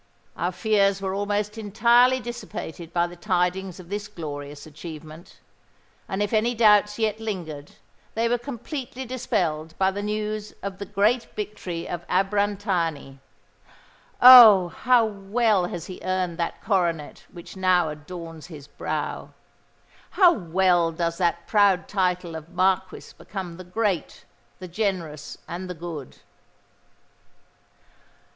Our fears were almost entirely dissipated by the tidings of this glorious achievement; and if any doubts yet lingered, they were completely dispelled by the news of the great victory of Abrantani. Oh! how well has he earned that coronet which now adorns his brow!—how well does that proud title of Marquis become the great, the generous, and the good!"